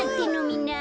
みんな。